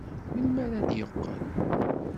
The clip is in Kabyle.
Melmi ay d-yeqqel?